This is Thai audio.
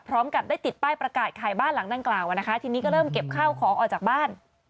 พร้อมกับได้ติดป้ายประกาศขายบ้านหลังดังกล่าวนะคะทีนี้ก็เริ่มเก็บข้าวของออกจากบ้าน